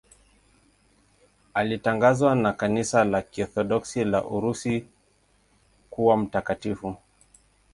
Alitangazwa na Kanisa la Kiorthodoksi la Urusi kuwa mtakatifu.